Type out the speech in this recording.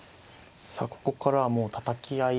さあここからはもうたたき合い。